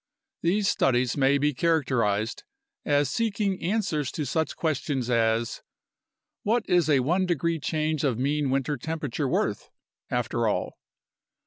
These studies may be characterized as seeking answers to such questions as "What is a 1 degree change of mean winter temperature worth, after all?"